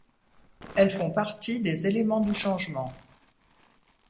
Elles font partie des éléments du changement.